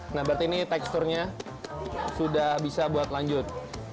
nah berarti ini teksturnya sudah bisa buat lanjut